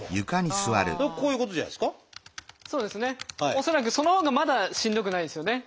恐らくそのほうがまだしんどくないんですよね。